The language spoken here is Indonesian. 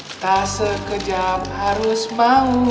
kita sekejap harus mau